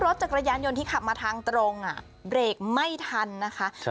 รถจักรยานยนต์ที่ขับมาทางตรงเบรกไม่ทันนะคะ